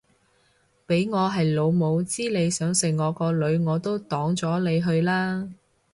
俾我係老母知你想食我個女我都擋咗你去啦